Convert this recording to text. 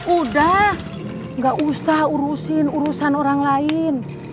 udah gak usah urusin urusan orang lain